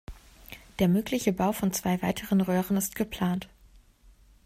Der mögliche Bau von zwei weiteren Röhren ist geplant.